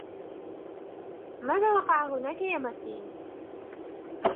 ماذا وقع هناك يا ماسين؟